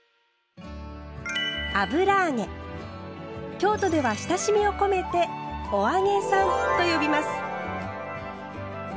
京都では親しみを込めて「お揚げさん」と呼びます。